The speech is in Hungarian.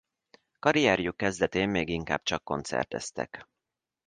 Karrierjük kezdetén még inkább csak koncerteztek.